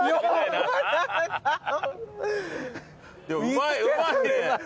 うまいうまいね。